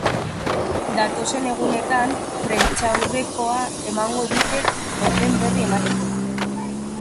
Datozen egunetan prentsaurrekoa emango dute horren berri emateko.